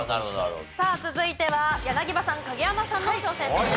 さあ続いては柳葉さん影山さんの挑戦です。